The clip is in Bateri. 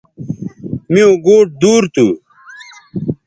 میوں گوٹ دور تھو